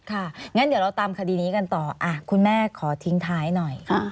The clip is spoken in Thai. งั้นเดี๋ยวเราตามคดีนี้กันต่อคุณแม่ขอทิ้งท้ายหน่อย